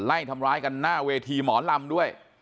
ไล่ทำร้ายกันหน้าเวทีหมอลำด้วย